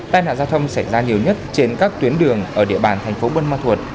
tai nạn giao thông xảy ra nhiều nhất trên các tuyến đường ở địa bàn thành phố bân ma thuột